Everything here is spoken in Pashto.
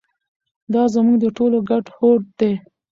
دا زموږ د ټولو ګډ هوډ دی.